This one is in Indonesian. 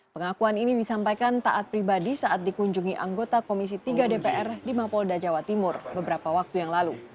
pengakuan ini disampaikan taat pribadi saat dikunjungi anggota komisi tiga dpr di mapolda jawa timur beberapa waktu yang lalu